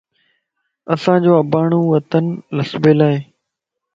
اسانجو اباڻون وطن لسيبلا ائي